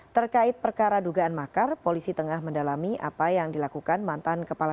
terkait perkara dugaan makar polisi tengah mendalami apa yang dilakukan mantan kepala